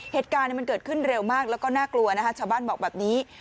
เหตุการณ์มันเกิดขึ้นเร็วมากแล้วก็น่ากลัวนะคะชาวบ้านบอกแบบนี้